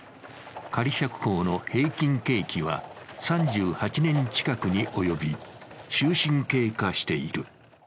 仮釈放の平均刑期は３８年近くに及び、終身刑化している。